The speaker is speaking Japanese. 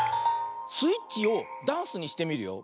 スイッチをダンスにしてみるよ。